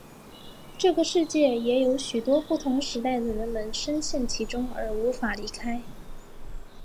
这个世界也有许多不同时代的人们身陷其中而无法离开。